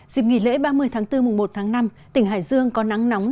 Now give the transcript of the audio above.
dịp nghỉ lễ ba mươi tháng bốn mùng một tháng năm tỉnh hải dương có nắng nóng